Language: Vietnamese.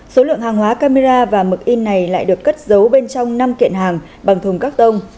số lượng hàng hóa camera và mực in này lại được cất giấu bên trong năm kiện hàng bằng thùng các tông